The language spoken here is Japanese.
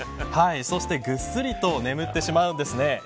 そしてぐっすりと眠ってしまうんですね。